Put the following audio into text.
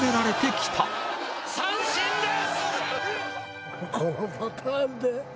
三振です！